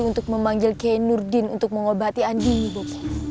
untuk memanggil kiai nurdin untuk mengobati andini bopo